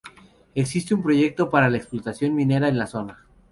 Existe un proyecto para la explotación minera en la zona.